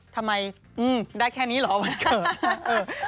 ทำไมได้แค่นี้เหรอวันเกิด